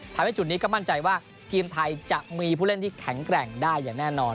ทำให้จุดนี้ก็มั่นใจว่าทีมไทยจะมีผู้เล่นที่แข็งแกร่งได้อย่างแน่นอน